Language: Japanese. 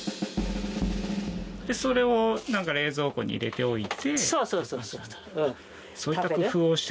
それを冷蔵庫に入れておいて。